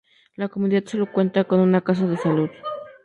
La comunidad solo cuenta con una casa de salud.